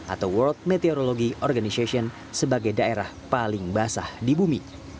atau world meteorologi organization sebagai daerah paling basah di bumi